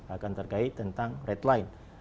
akan terkait tentang red line